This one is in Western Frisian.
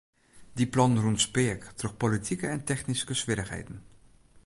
Dy plannen rûnen speak troch politike en technyske swierrichheden.